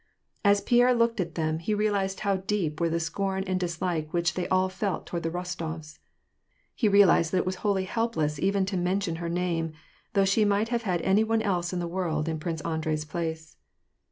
As Pierre looked at them, he realized how deep were the scorn and dislike which they all felt towai'd the Rostofs ; he realized that it was wholly hopeless even to mention her name, though she might have had any one else in the world in Prince Andrei^s place.